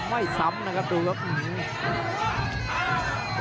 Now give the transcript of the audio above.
อื้อหือจังหวะขวางแล้วพยายามจะเล่นงานด้วยซอกแต่วงใน